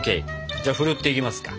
じゃあふるっていきますか。